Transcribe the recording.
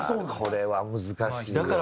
これは難しいよ。